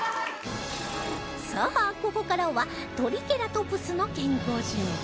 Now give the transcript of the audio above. さあここからはトリケラトプスの健康診断